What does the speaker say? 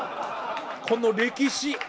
この歴史。